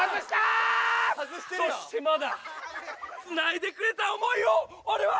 そしてまだつないでくれた思いをオレは！